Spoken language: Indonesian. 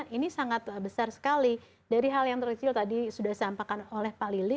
ini sangat besar sekali dari hal yang terkecil tadi sudah disampaikan oleh pak lili